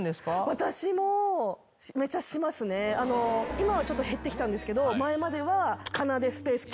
今はちょっと減ってきたんですけど前までは。